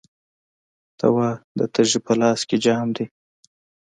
ته وا، د تږي په لاس کې جام دی